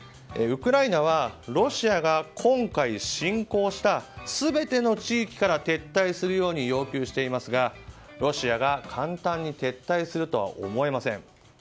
ウクライナはロシアが今回、侵攻した全ての地域から撤退するように要求していますがロシアが簡単に撤退するとは思えません。